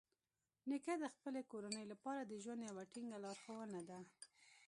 نیکه د خپلې کورنۍ لپاره د ژوند یوه ټینګه لارښونه ده.